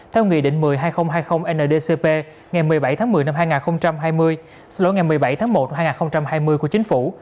theo nghị định một mươi hai nghìn hai mươi ndcp ngày một mươi bảy một mươi hai nghìn hai mươi của chính phủ